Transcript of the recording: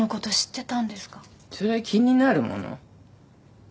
そりゃ気になるもの。